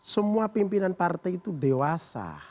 semua pimpinan partai itu dewasa